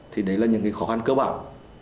thì đấy là những khó khăn cơ bản